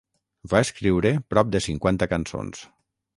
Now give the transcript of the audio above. Va escriure prop de cinquanta cançons.